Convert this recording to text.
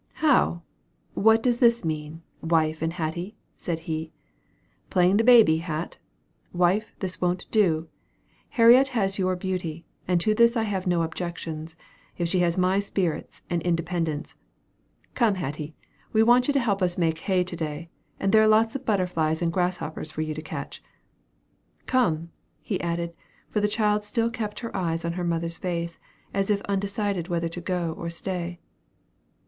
"How? What does this mean, wife and Hatty?" said he. "Playing the baby, Hat? Wife, this won't do. Harriet has your beauty; and to this I have no objections, if she has my spirits and independence. Come, Hatty; we want you to help us make hay to day; and there are lots of butterflies and grasshoppers for you to catch. Come," he added; for the child still kept her eyes on her mother's face, as if undecided whether to go or stay.